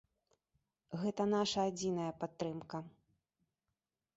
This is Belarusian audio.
Гэта наша адзіная падтрымка.